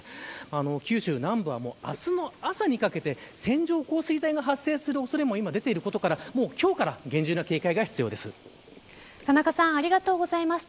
九州南部は明日の朝にかけて線状降水帯が発生する恐れも出ていることから田中さんありがとうございました。